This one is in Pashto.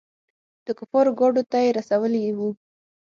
د کفارو ګاډو ته يېم رسولي وو.